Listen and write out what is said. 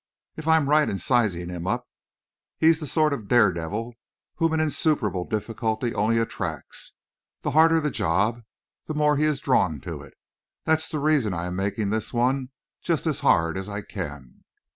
If I am right in sizing him up, he's the sort of dare devil whom an insuperable difficulty only attracts. The harder the job, the more he is drawn to it. That's the reason I am making this one just as hard as I can."